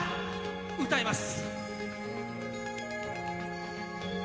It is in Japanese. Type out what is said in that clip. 歌います。